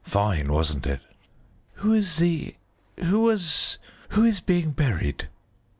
Fine, wasn't it?" "Who is the who was who is being buried?"